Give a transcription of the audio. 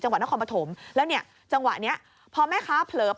จังหวัดนครปฐมแล้วเนี่ยจังหวะเนี้ยพอแม่ค้าเผลอ